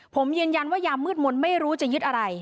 ผมยืนยันว่ายามืดมนต์ไม่รู้จะยึดอะไร